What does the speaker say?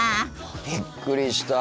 びっくりした。